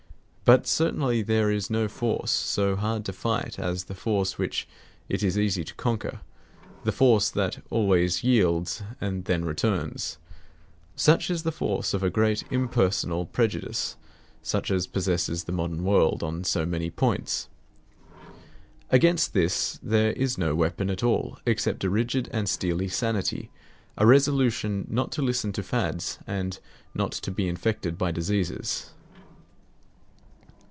But certainly there is no force so hard to fight as the force which it is easy to conquer; the force that always yields and then returns. Such is the force of a great impersonal prejudice, such as possesses the modern world on so many points. Against this there is no weapon at all except a rigid and steely sanity, a resolution not to listen to fads, and not to be infected by diseases.